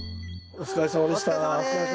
お疲れさまです。